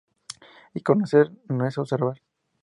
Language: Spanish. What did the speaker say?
Y conocer no es observar.